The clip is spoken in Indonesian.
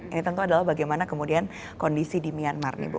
ini tentu adalah bagaimana kemudian kondisi di myanmar nih bu